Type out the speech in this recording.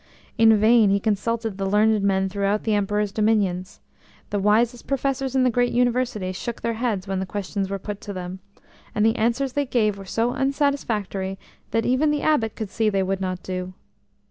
In vain he consulted the learned men throughout the Emperor's dominions. The wisest professors in the great universities shook their heads when the questions were put to them, and the answers they gave were so unsatisfactory that even the Abbot could see they would not do.